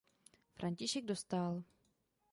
František Dostál.